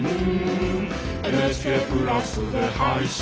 「ＮＨＫプラスで配信」